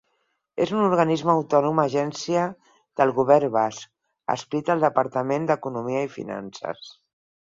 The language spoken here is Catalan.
És un organisme autònom agència del Govern Basc, adscrita al Departament d'Economia i Finances.